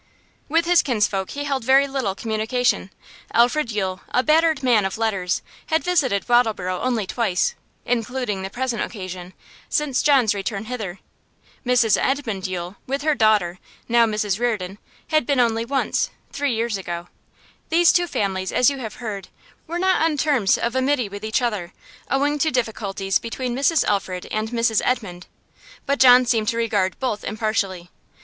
With his kinsfolk he held very little communication. Alfred Yule, a battered man of letters, had visited Wattleborough only twice (including the present occasion) since John's return hither. Mrs Edmund Yule, with her daughter now Mrs Reardon had been only once, three years ago. These two families, as you have heard, were not on terms of amity with each other, owing to difficulties between Mrs Alfred and Mrs Edmund; but John seemed to regard both impartially.